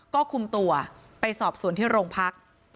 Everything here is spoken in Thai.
ก็คุมตัวไปสอบสวนที่โรงพัก